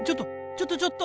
ちょっとちょっと！